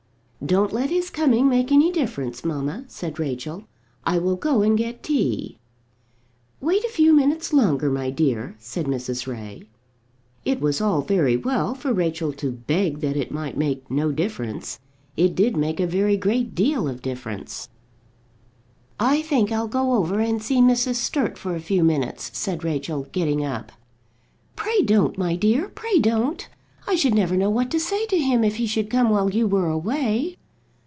"Don't let his coming make any difference, mamma," said Rachel. "I will go and get tea." "Wait a few minutes longer, my dear," said Mrs. Ray. It was all very well for Rachel to beg that it might make "no difference." It did make a very great deal of difference. "I think I'll go over and see Mrs. Sturt for a few minutes," said Rachel, getting up. "Pray don't, my dear, pray don't; I should never know what to say to him if he should come while you were away."